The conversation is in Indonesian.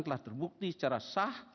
telah terbukti secara sah